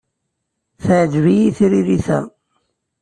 Teɛǧeb-iyi tririt-a.